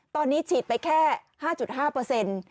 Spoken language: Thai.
ตอนนี้ฉีดไปแค่๕๕เปอร์เซ็นต์